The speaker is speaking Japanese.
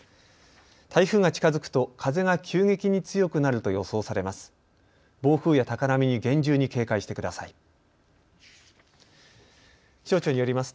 台風が近づくと風が急激に強くなると予想されます。